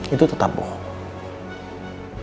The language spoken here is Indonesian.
itu tetap bohong